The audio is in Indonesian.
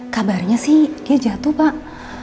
kabarnya sih dia jatuh pak